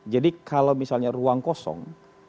jadi kalau misalnya ruang kosong